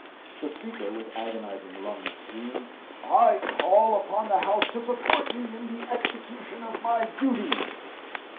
The Speaker, with agonizing lungs, screamed, 'I call upon the House to support me in the execution of my duty!'